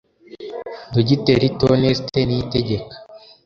Dogiteri Theoneste Niyitegeka